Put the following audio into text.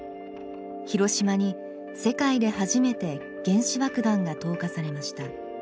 広島に世界で初めて原子爆弾が投下されました。